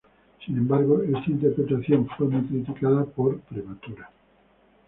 Sin embargo, esta interpretación fue muy criticada por prematura.